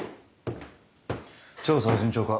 調査は順調か？